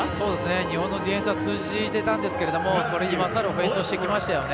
日本のディフェンスは通じていたんですけれどもそれに勝るオフェンスをしてきましたよね。